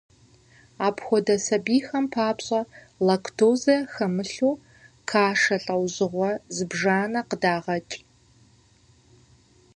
Апхуэдэ сабийхэм папщӀэ лактозэ хэмылъу кашэ лӀэужьыгъуэ зыбжанэ къыдагъэкӀ.